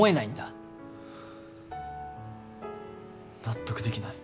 納得できない。